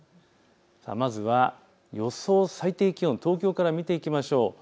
まずは予想最低気温、東京から見ていきましょう。